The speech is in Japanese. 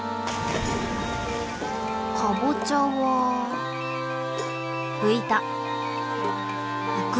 かぼちゃは浮いた。